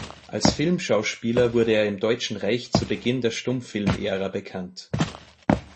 Als Filmschauspieler wurde er im Deutschen Reich zu Beginn der Stummfilmära bekannt.